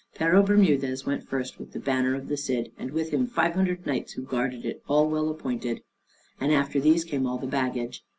Pero Bermudez went first with the banner of the Cid, and with him five hundred knights who guarded it, all well appointed. And after these came all the baggage.